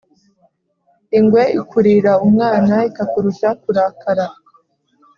Ingwe ikurira umwana ikakurusha kurakara.